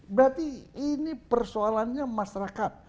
berarti ini persoalannya masyarakat